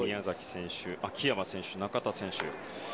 選手秋山選手、中田選手